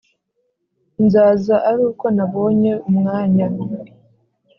Nzaza aruko nabonye umwanya